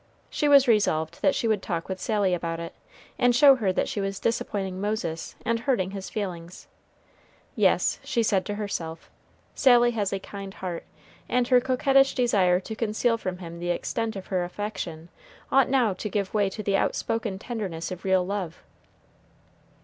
She was resolved that she would talk with Sally about it, and show her that she was disappointing Moses and hurting his feelings. Yes, she said to herself, Sally has a kind heart, and her coquettish desire to conceal from him the extent of her affection ought now to give way to the outspoken tenderness of real love.